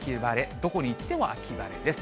どこに行っても秋晴れです。